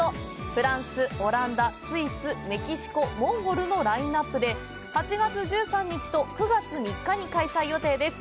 フランス、オランダ、スイスメキシコ、モンゴルのラインナップで８月１３日と９月３日に開催予定です。